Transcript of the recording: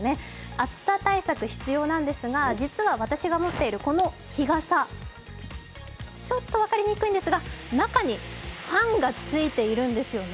暑さ対策必要なんですが、実は私が持ってる、この日傘、ちょっと分かりにくいんですが中にファンが付いているんですよね。